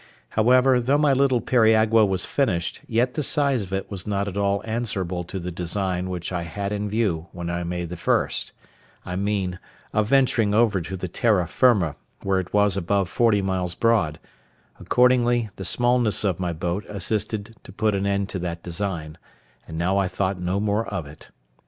However, though my little periagua was finished, yet the size of it was not at all answerable to the design which I had in view when I made the first; I mean of venturing over to the terra firma, where it was above forty miles broad; accordingly, the smallness of my boat assisted to put an end to that design, and now I thought no more of it.